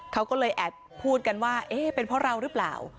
เขาก็เลยแอบพูดกันว่าเอ๊ะเป็นเพราะเราหรือเปล่า